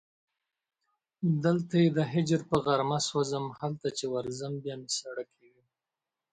دلته یې د هجر په غارمه سوځم هلته چې ورځم بیا مې ساړه کېږي